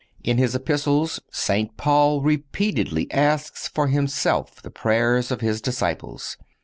In his Epistles St. Paul repeatedly asks for himself the prayers of his disciples.